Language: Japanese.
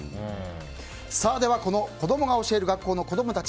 では、この子どもが教える学校の子供たち。